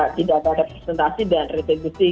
tidak ada representasi dan retribusi